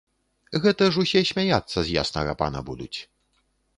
Гэта ж усе смяяцца з яснага пана будуць.